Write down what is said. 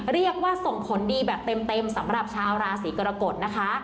เรียกว่าส่งผลดีแบบเต็มสำหรับชาวราศีกรกฎนะคะ